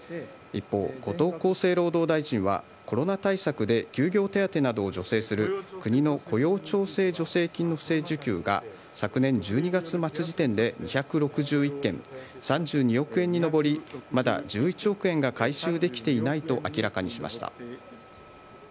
一方、後藤厚生労働大臣は、コロナ対策で休業手当などを助成する国の雇用調整助成金の不正受給が、昨年１２月末時点で２６１件、３２億円に上り、まだ１１億円が回収できていないと明らかにしました。